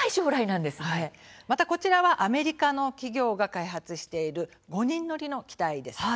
また、こちらはアメリカの企業が開発している５人乗りの機体です。